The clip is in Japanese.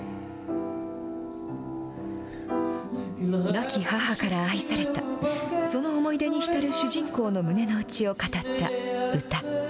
亡き母から愛された、その思い出に浸る主人公の胸の内を語った唄。